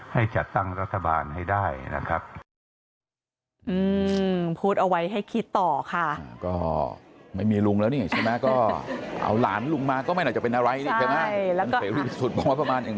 ให้จัดตั้งรัฐบาลให้ได้นะครับ